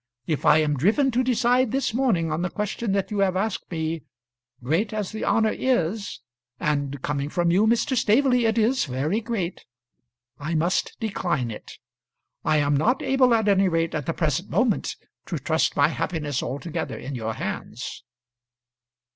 If I am driven to decide this morning on the question that you have asked me, great as the honour is and coming from you, Mr. Staveley, it is very great I must decline it. I am not able, at any rate at the present moment, to trust my happiness altogether in your hands."